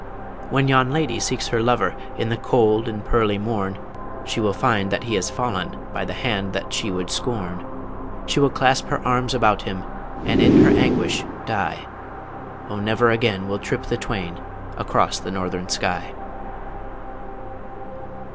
When yon lady seeks her lover In the cold and pearly morn, She will find that he has fallen By the hand that she would scorn, She will clasp her arms about him, And in her anguish die! O never again will trip the twain across the Northern Sky.